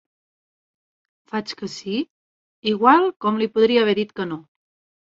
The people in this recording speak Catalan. Faig que sí igual com li podria haver dit que no.